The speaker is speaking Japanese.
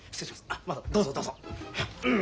あっまあどうぞどうぞ。